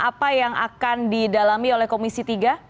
apa yang akan didalami oleh komisi tiga